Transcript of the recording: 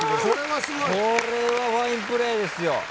これはファインプレーですよ。